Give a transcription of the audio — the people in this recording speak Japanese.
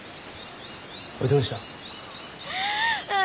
おいどうした？うう。